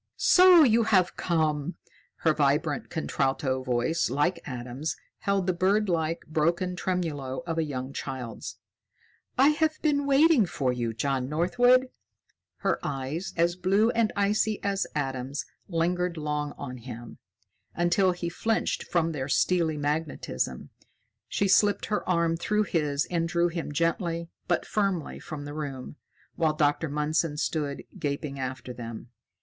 "So you have come!" Her vibrant contralto voice, like Adam's, held the birdlike, broken tremulo of a young child's. "I have been waiting for you, John Northwood." Her eyes, as blue and icy as Adam's, lingered long on him, until he flinched from their steely magnetism. She slipped her arm through his and drew him gently but firmly from the room, while Dr. Mundson stood gaping after them.